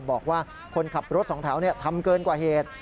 บอกว่าคนขับรถสองแถวทำเกินกว่าเหตุ